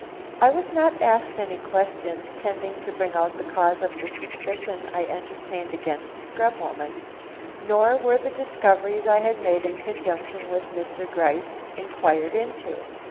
I was not asked any questions tending to bring out the cause of the suspicion I entertained against the scrub woman, nor were the discoveries I had made in conjunction with Mr. Gryce inquired into.